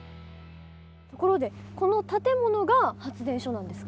ところでこの建物が発電所なんですか？